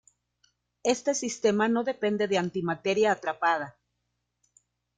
Este sistema no depende de antimateria atrapada.